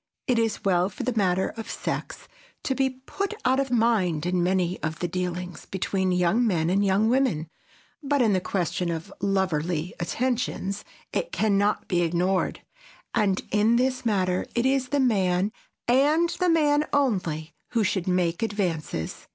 It is well for the matter of sex to be put out of mind in many of the dealings between young men and young women, but in the question of loverly attentions it can not be ignored. And in this matter it is the man, and the man only, who should make advances.